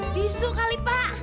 bisu kali pak